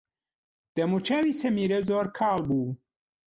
دەموچاوی سەمیرە زۆر کاڵ بوو.